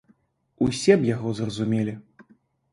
Усе б яго зразумелі.